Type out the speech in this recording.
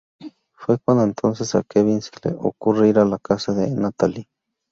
Fue cuando entonces a Kevin se le ocurre ir a la casa de Natalie.